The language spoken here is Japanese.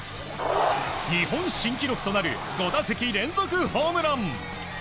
日本新記録となる５打席連続ホームラン。